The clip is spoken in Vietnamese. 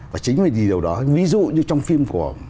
và chính vì điều đó ví dụ như trong phim